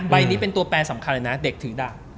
ใบนี้เป็นตัวแปรสำคัญเลยนะเด็กถือดาบ